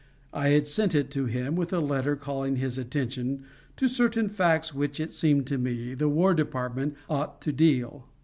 I had sent it to him with a letter calling his attention to certain facts with which it seemed to me the War Department ought to deal.